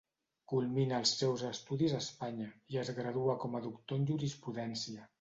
Culmina els seus estudis a Espanya, i es gradua com a doctor en jurisprudència.